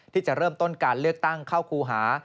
ที่จะเริ่มต้นการเลือกตั้งเข้าครูหา